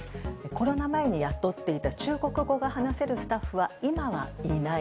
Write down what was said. コロナ前に雇っていた中国語を話せるスタッフは今はいない。